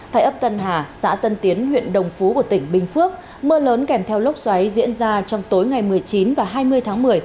tại ấp tân hà xã tân tiến huyện đồng phú của tỉnh bình phước mưa lớn kèm theo lốc xoáy diễn ra trong tối ngày một mươi chín và hai mươi tháng một mươi